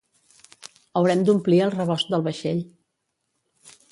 Haurem d'omplir el rebost del vaixell